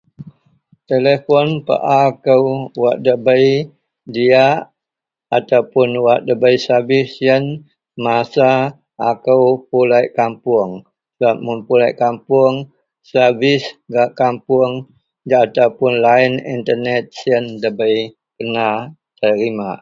Telepon paa kou wak dabei diyak atau puon wak dabei sevis iyen masa akou pulek kapoung sebab mun pulek kapuong sevis gak kapuong atau line internet siyen da kena terimak.